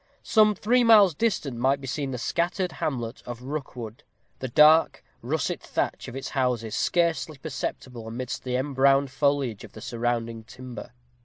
Some three miles distant might be seen the scattered hamlet of Rookwood; the dark russet thatch of its houses scarcely perceptible amidst the embrowned foliage of the surrounding timber.